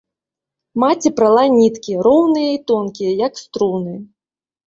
Маці прала ніткі, роўныя і тонкія, як струны.